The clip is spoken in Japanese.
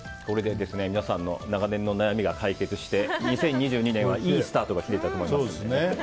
これで皆さんの長年の悩みが解決して、２０２２年はいいスタートが切れたと思います。